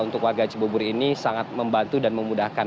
untuk warga cibubur ini sangat membantu dan memudahkan